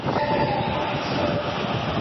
ایا زموږ فرهنګ په یوې ځانګړې جغرافیې پورې اړه لري؟